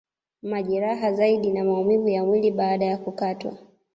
Majeraha zaidi na maumivu ya mwii baada ya kukatwa